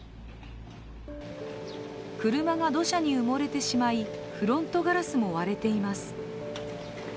車が土砂に埋もれてしまいフロントガラスも割れています。